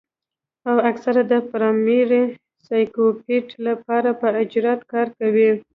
او اکثر د پرائمري سايکوپېت له پاره پۀ اجرت کار کوي